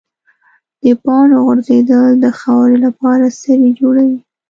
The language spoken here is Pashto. د پاڼو غورځېدل د خاورې لپاره سرې جوړوي.